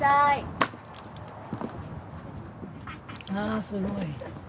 あすごい。